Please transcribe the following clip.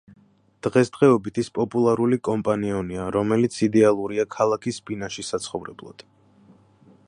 დღესდღეობით ის პოპულარული კომპანიონია, რომელიც იდეალურია ქალაქის ბინაში საცხოვრებლად.